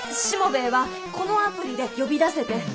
しもべえはこのアプリで呼び出せて。